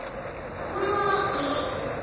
これは石？